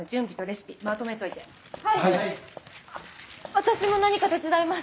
私も何か手伝います。